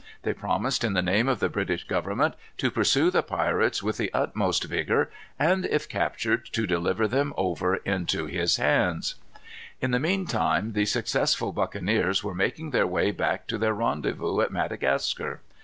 They promised, in the name of the British Government, to pursue the pirates with the utmost vigor, and, if captured, to deliver them over into his hands. In the mean time the successful buccaneers were making their way back to their rendezvous at Madagascar.